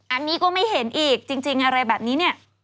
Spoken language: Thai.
อันนี้ก็ไม่เห็นอีกจริงอะไรแบบนี้เนี่ย